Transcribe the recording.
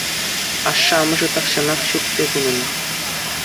Ашшӗ-амӑшӗ тахҫанах ҫук пек унӑн.